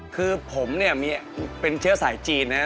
คือผมเนี่ยเป็นเชื้อสายจีนนะครับ